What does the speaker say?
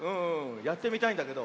やってみたいんだけど。